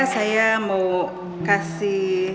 saya mau kasih